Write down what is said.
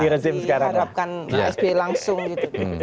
tidak usah diharapkan pak sby langsung gitu